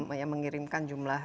terbesar ya yang mengirimkan jumlah